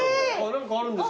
何かあるんですか？